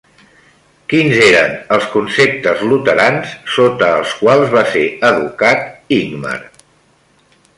Quins eren els conceptes luterans sota els quals va ser educat Ingmar?